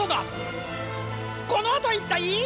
このあといったい。